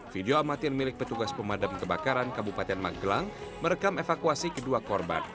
video amatir milik petugas pemadam kebakaran kabupaten magelang merekam evakuasi kedua korban